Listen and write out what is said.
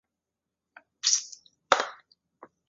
出生于尾张国。